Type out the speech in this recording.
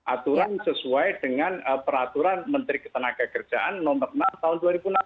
aturan sesuai dengan peraturan menteri ketenagakerjaan nomor enam tahun dua ribu enam belas